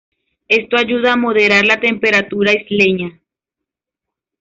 Esto ayuda a moderar la temperatura isleña.